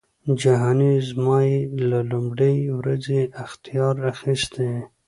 جهانی زما یې له لومړۍ ورځی اختیار اخیستی